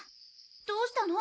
どうしたの？